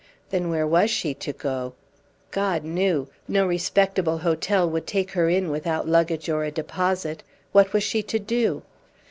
Then where was she to go? God knew! No respectable hotel would take her in without luggage or a deposit. What was she to do?